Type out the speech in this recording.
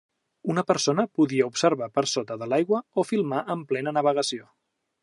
Una persona podia observar per sota de l'aigua o filmar en plena navegació.